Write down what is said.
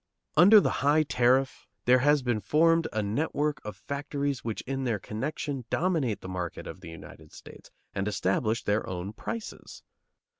Under the high tariff there has been formed a network of factories which in their connection dominate the market of the United States and establish their own prices.